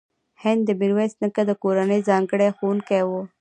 هغه د میرویس نیکه د کورنۍ ځانګړی ښوونکی و.